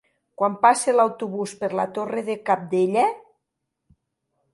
Quan passa l'autobús per la Torre de Cabdella?